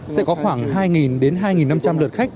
sẽ có khoảng hai đến hai năm trăm linh lượt khách